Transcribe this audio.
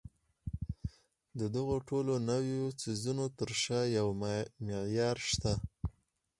د دغو ټولو نويو څيزونو تر شا يو معيار شته.